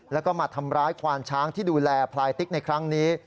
แล้วก็มาทำร้ายควานช้างที่ดูแลพลายติ๊กในครั้งนี้